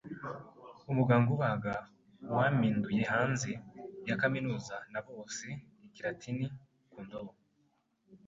umuganga ubaga, uwampinduye - hanze ya kaminuza na bose - Ikilatini ku ndobo,